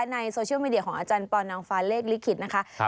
ในโซเชียลมีเดียของอาจารย์ปอนางฟ้าเลขลิขิตนะคะ